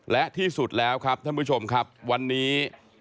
และที่สุดแล้วครับท่านผู้ชมครับวันนี้